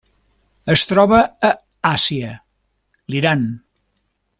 Es troba a Àsia: l'Iran.